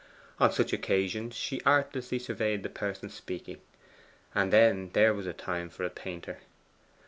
On such occasions she artlessly surveyed the person speaking; and then there was a time for a painter.